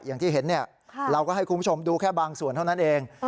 อย่างที่เห็นเราก็ให้คุณผู้ชมดูแค่บางส่วนเท่านั้นเอง